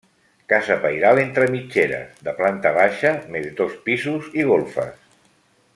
Casa pairal entre mitgeres, de planta baixa més dos pisos i golfes.